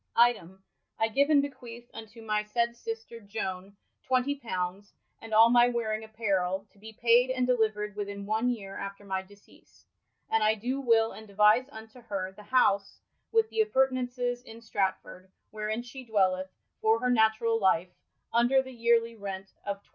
Item, I gyve and bequeath unto my saied sister Jone xx.'* and all my wearing apparrell, to be paied and delivered within one yeare after my deceas ; and I doe will and devise unto her the house with thappurtenaunces in Stratford, wherein she dwelleth, for her naturall lief, under the yearlie rent of xij.'''